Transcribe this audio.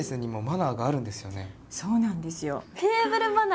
そうなんですよ。